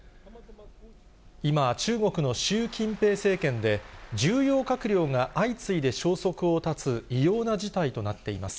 今、中国の習近平政権で、重要閣僚が相次いで消息を絶つ異様な事態となっています。